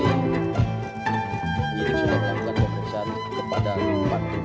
dan juga bermasuk